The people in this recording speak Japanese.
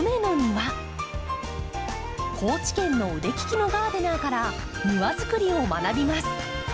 高知県の腕利きのガーデナーから庭づくりを学びます。